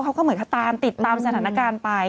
เขาก็เหมือนเขาตามติดตามสถานการณ์ไป